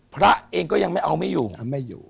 พระเองก็ยังไม่เอาไม่อยู่